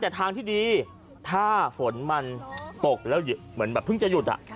แต่ทางที่ดีถ้าฝนมันตกแล้วเหมือนแบบเพิ่งจะหยุด